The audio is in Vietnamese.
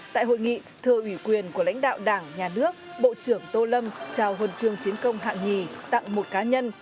tại hội nghị thưa ủy quyền của lãnh đạo đảng nhà nước bộ trưởng tô lâm trao hồn trường chiến công hạng nhì tặng một cá nhân